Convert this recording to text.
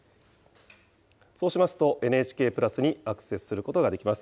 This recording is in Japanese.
そうしますとＮＨＫプラスにアクセスすることができます。